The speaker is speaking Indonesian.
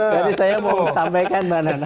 jadi saya mau sampaikan mbak nana